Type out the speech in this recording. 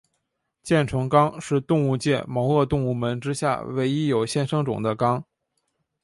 箭虫纲是动物界毛颚动物门之下唯一有现生种的纲。